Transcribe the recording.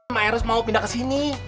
maeros mau pindah kesini